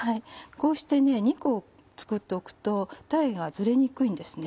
こうして２個作っておくと鯛がずれにくいんですね。